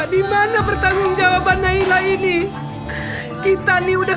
dimana bertanggung jawabannya ilahi ini kita nih udah